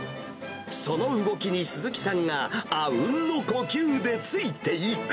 その動きに鈴木さんが、あうんの呼吸でついていく。